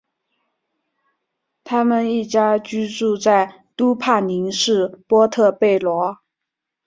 他们一家居住在都柏林市波特贝罗。